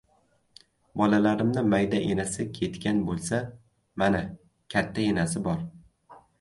— Bolalarimni mayda enasi ketgan bo‘lsa, mana, katta enasi bor!